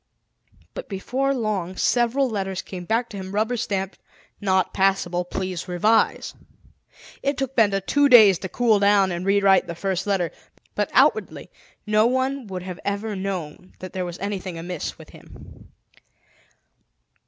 But before long, several letters came back to him rubber stamped: "Not passable. Please revise." It took Benda two days to cool down and rewrite the first letter. But outwardly no one would have ever known that there was anything amiss with him.